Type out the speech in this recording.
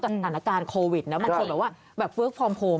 กับสถานการณ์โควิดแล้วบางทีแบบว่าเฟิร์กฟอร์ม